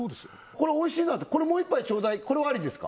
「これおいしいなこれもう１杯ちょうだい」これはアリですか？